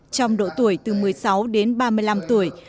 trong độ tuổi từ một mươi sáu đến ba mươi năm tuổi